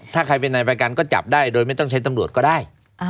ถ้าใครเป็นนายประกันก็จับได้โดยไม่ต้องใช้ตำรวจก็ได้